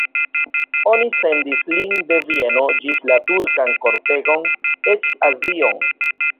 Oni sendis lin de Vieno ĝis la turkan kortegon, eĉ Azion.